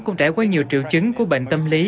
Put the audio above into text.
cũng trải qua nhiều triệu chứng của bệnh tâm lý